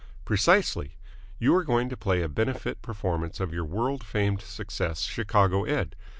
"Precisely. You are going to play a benefit performance of your world famed success, Chicago Ed.